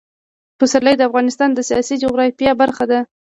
پسرلی د افغانستان د سیاسي جغرافیه برخه ده.